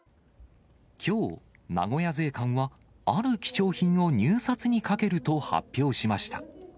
きょう、名古屋税関は、ある貴重品を入札にかけると発表しました。